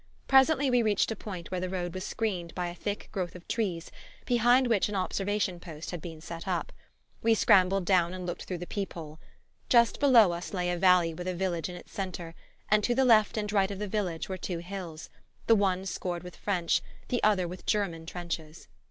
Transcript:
Presently we reached a point where the road was screened by a thick growth of trees behind which an observation post had been set up. We scrambled down and looked through the peephole. Just below us lay a valley with a village in its centre, and to the left and right of the village were two hills, the one scored with French, the other with German trenches.